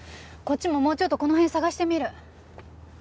こっちももうちょっとこの辺捜してみる。